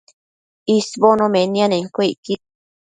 isbono nemianenquio icquid